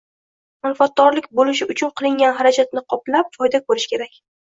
Manfaatdorlik boʻlishi uchun qilingan xarajatni qoplab, foyda koʻrish kerak.